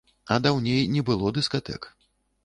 А даўней не было дыскатэк.